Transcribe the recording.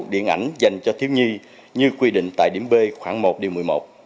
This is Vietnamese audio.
điện ảnh dành cho thiếu nhi như quy định tại điểm b khoảng một điều một mươi một